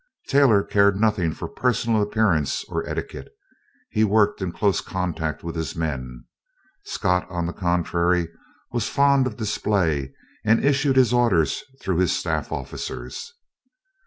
Taylor cared nothing for personal appearance or etiquette. He worked in close contact with his men. Scott, on the contrary, was fond of display, and issued his orders through his staff officers.